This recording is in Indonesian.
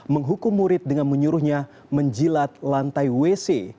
menghukum murid dengan menyuruhnya menjilat lantai wc